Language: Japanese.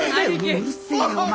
うるせえよお前。